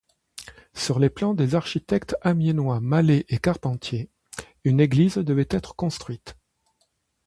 Sur les plans des architectes amiénois Mallet et Carpentier, une église devait être construite.